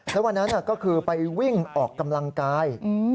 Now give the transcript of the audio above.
แล้ววันนั้นก็คือไปวิ่งออกกำลังกาย